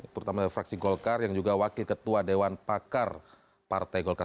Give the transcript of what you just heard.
terutama dari fraksi golkar yang juga wakil ketua dewan pakar partai golkar